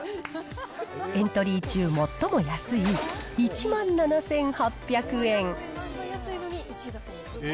エントリー中最も安い１万７８００円。